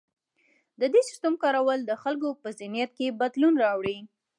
د دې سیستم کارول د خلکو په ذهنیت کې بدلون راوړي.